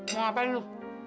mau ngapain lu